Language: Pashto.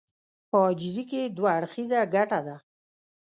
په عاجزي کې دوه اړخيزه ګټه ده.